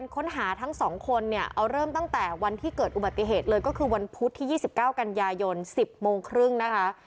ค้นหาทั้ง๒คนเนี่ยเอาเริ่มตั้งแต่วันที่เกิดอุบัติเหตุเลยก็คือวันพุธที่๒๙กันยายน๑๐โมงครึ่งนะคะ